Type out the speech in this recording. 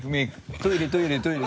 トイレトイレ。